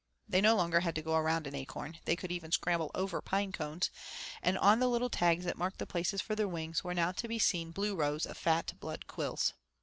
They no longer had to go around an acorn; they could even scramble over pine cones, and on the little tags that marked the places for their wings, were now to be seen blue rows of fat blood quills.